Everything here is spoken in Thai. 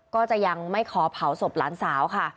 ก็จะยังไม่ขอเผาศพหลานสาวค่ะ